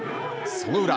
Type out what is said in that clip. その裏。